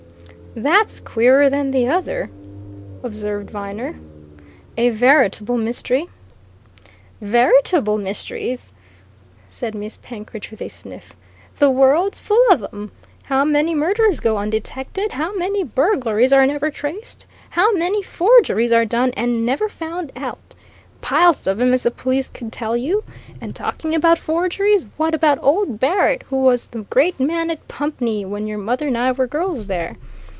"That's queerer than the other," observed Viner. "A veritable mystery!" "Veritable mysteries!" said Miss Penkridge, with a sniff. "The world's full of 'em! How many murders go undetected how many burglaries are never traced how many forgeries are done and never found out? Piles of 'em as the police could tell you. And talking about forgeries, what about old Barrett, who was the great man at Pumpney, when your mother and I were girls there?